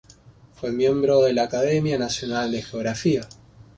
Fue miembro de la Academia Nacional de Geografía.